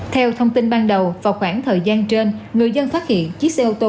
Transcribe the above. theo thông tin ban đầu vào khoảng thời gian trên người dân phát hiện chiếc xe ô tô